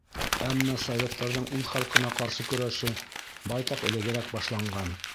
Әммә советтарҙың үҙ халҡына ҡаршы көрәше байтаҡ элегерәк башланған.